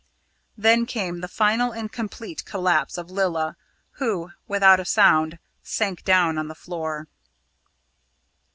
Then came the final and complete collapse of Lilla, who, without a sound, sank down on the floor.